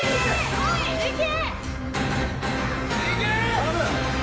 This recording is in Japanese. いけ！